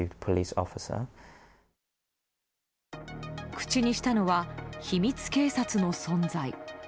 口にしたのは秘密警察の存在。